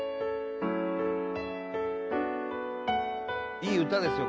いい歌ですよ